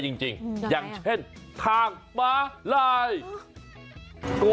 ขอบคุณมากพี่ขอบคุณมากเลยครับ